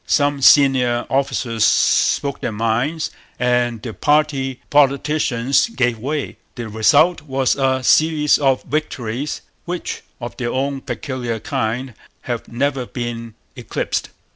Some senior officers spoke their minds, and the party politicians gave way. The result was a series of victories which, of their own peculiar kind, have never been eclipsed.